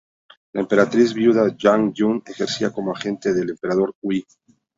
La Emperatriz Viuda Yang Jun ejercía como regente del Emperador Hui.